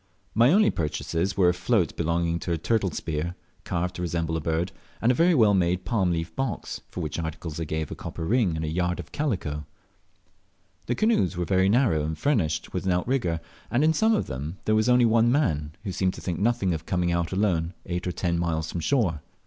My only purchases were a float belonging to a turtle spear, carved to resemble a bird, and a very well made palm leaf box, for which articles I gave a copper ring and a yard of calico. The canoes were very narrow and furnished with an outrigger, and in some of them there was only one man, who seemed to think nothing of coming out alone eight or ten miles from shore.